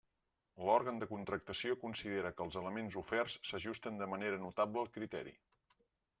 L'òrgan de contractació considera que els elements oferts s'ajusten de manera notable al criteri.